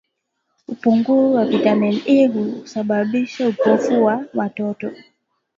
Upungufu wa vitamini A husababisha upofu kwa watoto